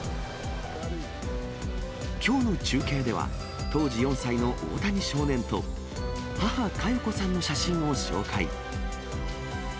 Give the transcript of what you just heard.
きょうの中継では、当時４歳の大谷少年と、母、加代子さんの写真を紹介。